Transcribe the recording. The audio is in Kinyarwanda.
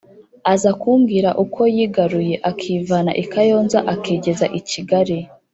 Aza kumbwira uko yigaruye, akivana I kayonza akigeza ikigari